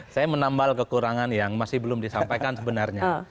saya menambal kekurangan yang masih belum disampaikan sebenarnya